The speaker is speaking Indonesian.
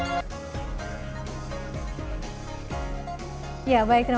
di segmen selanjutnya ingin sekali mendapatkan insight dari bapak bapak semua